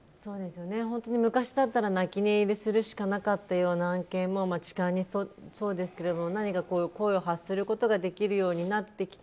本当に昔だったら泣き寝入りするしかなかったような案件、痴漢もそうですけど声を発することができるようになってきて。